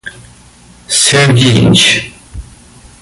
serviente